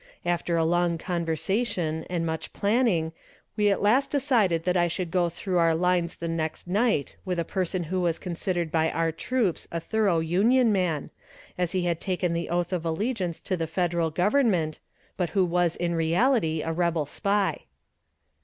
After a long conversation, and much planning, we at last decided that I should go through our lines the next night with a person who was considered by our troops a thorough Union man, as he had taken the oath of allegiance to the Federal Government but who was in reality a rebel spy.